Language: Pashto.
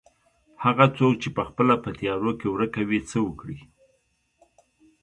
هغه څوک چې پخپله په تيارو کې ورکه وي څه وکړي.